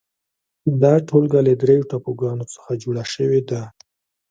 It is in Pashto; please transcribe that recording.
دا ټولګه له درېو ټاپوګانو څخه جوړه شوې ده.